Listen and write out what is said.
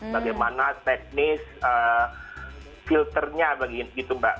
bagaimana teknis filternya begitu mbak